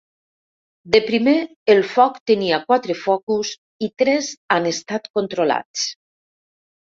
De primer, el foc tenia quatre focus i tres han estat controlats.